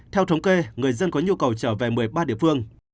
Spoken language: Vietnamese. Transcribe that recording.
theo thống kê người dân có nhu cầu trở về một mươi ba địa phương